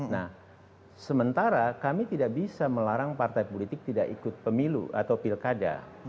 nah sementara kami tidak bisa melarang partai politik tidak ikut pemilu atau pilkada